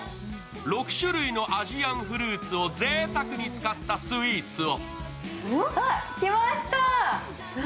６種類のアジアンフルーツをぜいたくに使ったスイーツを。